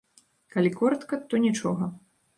Калі коратка, то нічога.